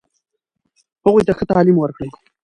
هغوی ته ښه تعلیم ورکړئ.